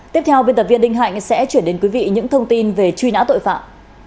tiếp theo biên tập viên đinh hạnh sẽ chuyển đến quý vị những thông tin về truy nã tội phạm